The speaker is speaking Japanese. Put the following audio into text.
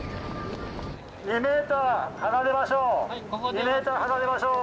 ２ｍ離れましょう！